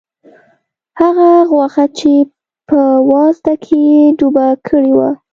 هغه غوښه چې په وازده کې یې ډوبه کړې وه.